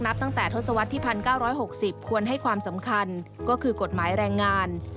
ตั้งแต่ทศวรรษที่๑๙๖๐ควรให้ความสำคัญก็คือกฎหมายแรงงาน